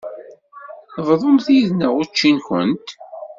Bḍumt yid-nneɣ učči-nkent.